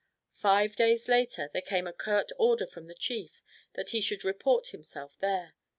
Five days later there came a curt order from the chief that he should report himself there.